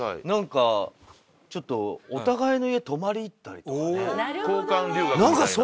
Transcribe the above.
何かちょっとお互いの家泊まり行ったりとか。